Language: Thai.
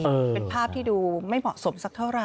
เป็นภาพที่ดูไม่เหมาะสมสักเท่าไห